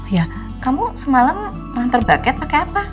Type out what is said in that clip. ya kamu semalam mengantar baget pake apa